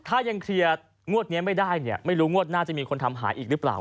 ถ้ายังเคลียร์งวดนี้ไม่ได้เนี่ยไม่รู้งวดหน้าจะมีคนทำหายอีกหรือเปล่า